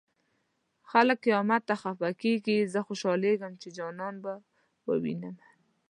خلک قيامت ته خفه کيږي زه خوشالېږم چې جانان به ووينمه